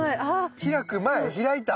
開く前開いた後。